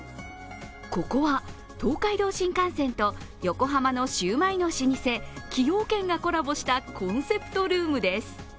ここは東海道新幹線と横浜のシウマイの老舗、崎陽軒がコラボしたコンセプトルームです。